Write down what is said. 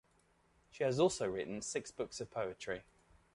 She has also written six books of poetry.